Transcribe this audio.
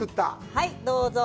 はい、どうぞ。